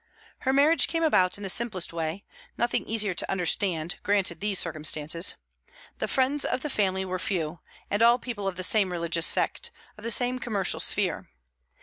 Her marriage came about in the simplest way; nothing easier to understand, granted these circumstances. The friends of the family were few, and all people of the same religious sect, of the same commercial sphere.